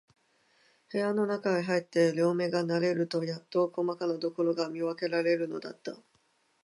部屋のなかへ入って、両眼が慣れるとやっと、こまかなところが見わけられるのだった。